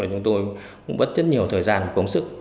chúng tôi cũng mất rất nhiều thời gian và công sức